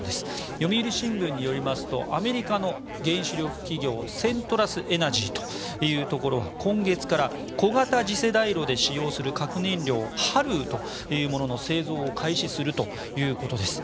読売新聞によりますとアメリカの原子力企業セントラスエナジーというところが今月から小型次世代炉で使用する核燃料ＨＡＬＥＵというものの製造を開始するということです。